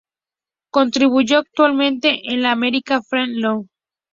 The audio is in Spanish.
Contribuyó activamente en el "American Fern Journal".